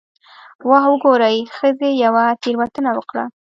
'واه وګورئ، ښځې یوه تېروتنه وکړه'.